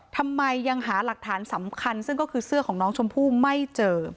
ทำไมยังหาหลักฐานสำคัญซึ่งก็คือเสื้อของน้องชมพู่ไม่เจอ